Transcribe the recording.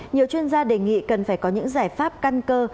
nhiều chuyên gia đề nghị cần phải có những giải pháp căn cơ